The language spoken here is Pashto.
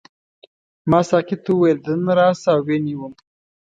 ما ساقي ته وویل دننه راشه او ویې نیوم.